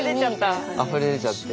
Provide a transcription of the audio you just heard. あふれ出ちゃって。